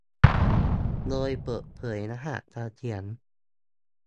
โดยเปิดเผยรหัสการเขียน